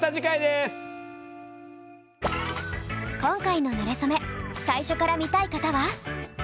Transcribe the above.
今回のなれそめ最初から見たい方は。